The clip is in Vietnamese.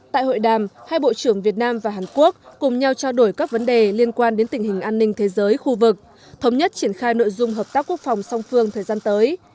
tại hội đàm hai bộ trưởng việt nam và hàn quốc cùng nhau trao đổi các vấn đề liên quan đến tình hình an ninh thế giới khu vực thống nhất triển khai nội dung hợp tác quốc phòng song phương thời gian tới